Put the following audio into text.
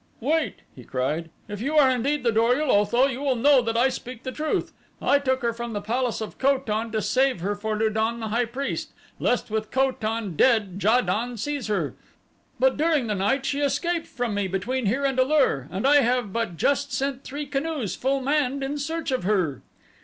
"Wait," he cried, "if you are indeed the Dor ul Otho you will know that I speak the truth. I took her from the palace of Ko tan to save her for Lu don, the high priest, lest with Ko tan dead Ja don seize her. But during the night she escaped from me between here and A lur, and I have but just sent three canoes full manned in search of her."